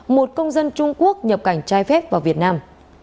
một công dân trung quốc nhập cảnh trái phép vào việt nam